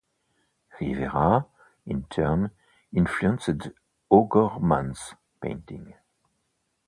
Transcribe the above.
Rivera, in turn, influenced O'Gorman's painting.